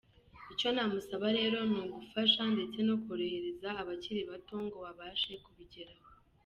Icyo namusaba rero ni ugufasha ndetse no korohereza abakiri bato ngo babashe kubigeraho.